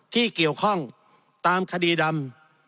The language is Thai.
ที่เกี่ยวข้องตามคดีดำ